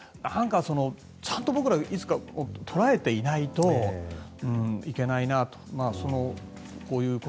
ちゃんと僕らも、いつか捉えていないといけないなと。